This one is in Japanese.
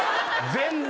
全然。